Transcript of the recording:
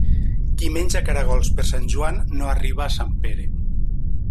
Qui menja caragols per Sant Joan no arriba a Sant Pere.